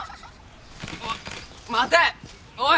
おっ待ておい！